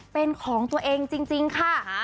เป็นของตัวเองจริงค่ะ